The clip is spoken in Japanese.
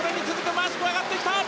マシュクが上がってきた。